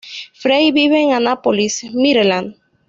Frey vive en Annapolis, Maryland.